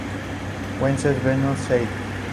Wenzel Benno Seidl